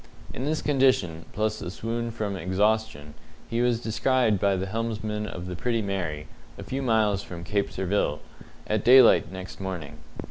In this condition, plus a swoon from exhaustion, he was descried by the helmsman of the Pretty Mary, a few miles from Cape Surville, at daylight next morning.